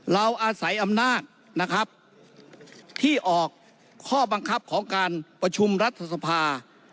เราอาศัยอำนาจนะครับที่ออกข้อบังคับของการประชุมรัฐสภา